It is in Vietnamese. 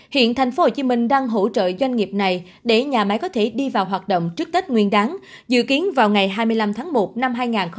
hiện tp hcm đang hỗ trợ doanh nghiệp này để nhà máy có thể đi vào hoạt động trước tết nguyên đáng dự kiến vào ngày hai mươi năm tháng một năm hai nghìn hai mươi